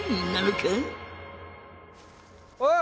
おい！